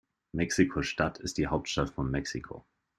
Mexiko-Stadt ist die Hauptstadt von Mexiko.